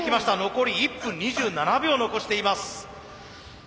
残り１分２７秒残しています。